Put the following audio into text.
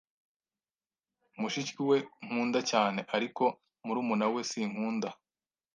Mushiki we nkunda cyane, ariko murumuna we sinkunda.